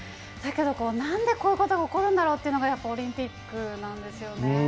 だけど、なんでこういうことが起こるんだろうっていうのが、やっぱりオリンピックなんですよね。